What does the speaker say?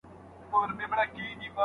کرمچ په جومات کي نه پښو کېږي.